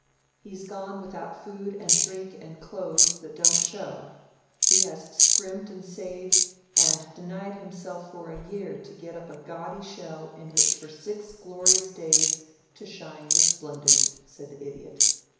"He's gone without food and drink and clothes that don't show. He has scrimped and saved, and denied himself for a year to get up a gaudy shell in which for six glorious days to shine resplendent," said the Idiot.